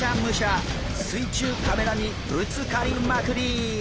水中カメラにぶつかりまくり！